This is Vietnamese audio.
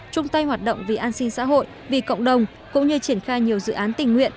chung tay hoạt động vì an sinh xã hội vì cộng đồng cũng như triển khai nhiều dự án tình nguyện